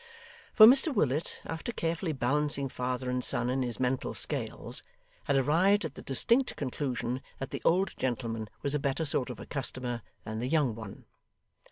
For Mr Willet, after carefully balancing father and son in his mental scales, had arrived at the distinct conclusion that the old gentleman was a better sort of a customer than the young one.